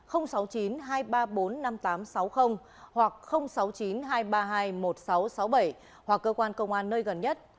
hoặc sáu mươi chín hai trăm ba mươi hai một nghìn sáu trăm sáu mươi bảy hoặc cơ quan công an nơi gần nhất